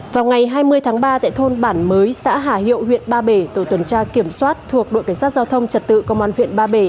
vào ngày hai mươi tháng ba tại thôn bản mới xã hà hiệu huyện ba bể tổ tuần tra kiểm soát thuộc đội cảnh sát giao thông trật tự công an huyện ba bể